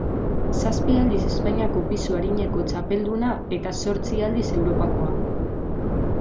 Zazpi aldiz Espainiako pisu arineko txapelduna, eta zortzi aldiz Europakoa.